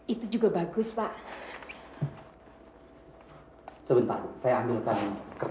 itu juga bagus pak